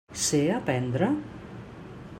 Sé aprendre?